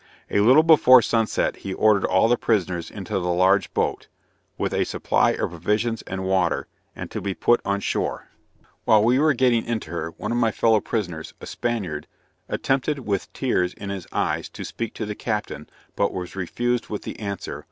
A little before sunset he ordered all the prisoners into the large boat, with a supply of provisions and water, and to be put on shore. While we were getting into her, one of my fellow prisoners, a Spaniard, attempted with tears in his eyes to speak to the captain, but was refused with the answer.